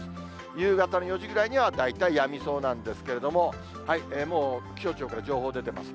夕方の４時ぐらいには大体やみそうなんですけれども、もう気象庁から情報出てます。